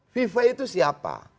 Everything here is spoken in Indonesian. fifa itu siapa